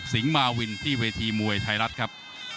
มาวินที่เวทีมวยไทยรัฐครับ